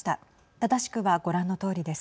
正しくはご覧のとおりです。